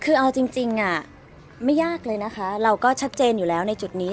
คือเอาจริงไม่ยากเลยนะคะเราก็ชัดเจนอยู่แล้วในจุดนี้